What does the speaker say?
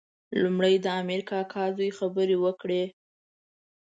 لومړی د امیر کاکا زوی خبرې وکړې.